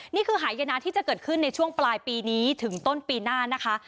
นี่คือหายนะที่จะเกิดขึ้นในช่วงปลายปีนี้ถึงต้นปีหน้านะคะ